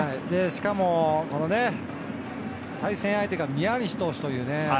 しかも対戦相手が宮西投手というね。